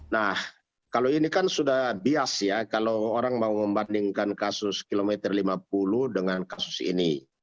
nah kalau ini kan sudah bias ya kalau orang mau membandingkan kasus kilometer lima puluh dengan kasus ini